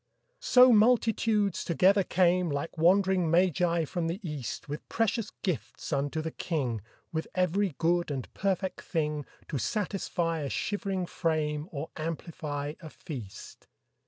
So multitudes together came, Like wandering magi from the East With precious gifts unto the King, With every good and perfect thing To satisfy a shivering frame Or amplify a feast.